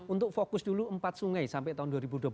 untuk fokus dulu empat sungai sampai tahun dua ribu dua puluh empat